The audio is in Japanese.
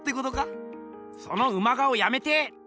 そのウマ顔やめて！